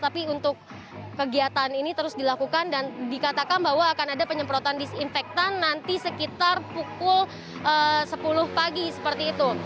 tapi untuk kegiatan ini terus dilakukan dan dikatakan bahwa akan ada penyemprotan disinfektan nanti sekitar pukul sepuluh pagi seperti itu